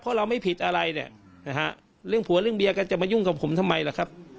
เพราะเราไม่ผิดอะไรเนี่ยนะฮะเรื่องผัวเรื่องเมียก็จะมายุ่งกับผมทำไมล่ะครับ